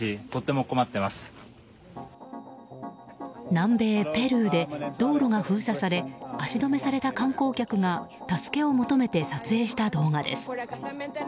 南米ペルーで道路が封鎖され足止めされた観光客が助けを求めて撮影した動画です。